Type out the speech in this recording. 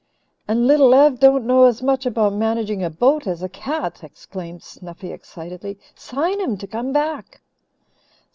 "An' Little Ev don't know as much about managing a boat as a cat!" exclaimed Snuffy excitedly. "Sign 'em to come back."